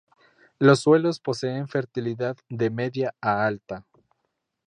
Los suelos poseen fertilidad de media a alta.